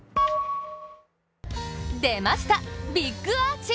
出ました、ビッグアーチ。